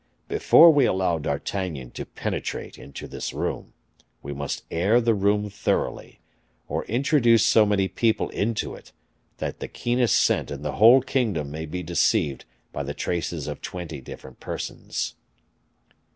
Before we allow D'Artagnan to penetrate into this room, we must air the room thoroughly, or introduce so many people into it, that the keenest scent in the whole kingdom may be deceived by the traces of twenty different persons."